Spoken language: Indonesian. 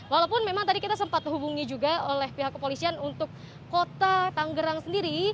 walaupun memang tadi kita sempat menghubungi juga oleh pihak kepolisian untuk kota tanggerang sendiri